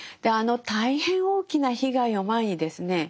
あの大変大きな被害を前にですね